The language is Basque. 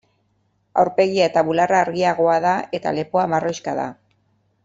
Aurpegia eta bularra argiagoa da eta lepoa marroixka da.